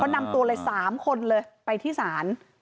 นำตัวเลย๓คนเลยไปที่ศาล